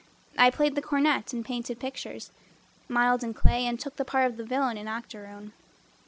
I played the cornet and painted pictures, Modeled in clay and took the part Of the villain in the "Octoroon."